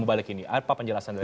apa penjelasan dari